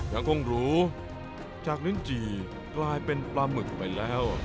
ยังคงหรูจากลิ้นจี่กลายเป็นปลาหมึกไปแล้ว